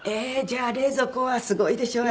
じゃあ冷蔵庫はすごいでしょ？